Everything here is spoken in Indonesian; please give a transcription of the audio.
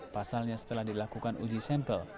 pasalnya setelah dilakukan uji sampel